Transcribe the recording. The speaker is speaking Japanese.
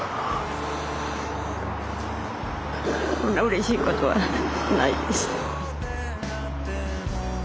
こんなうれしいことはないです。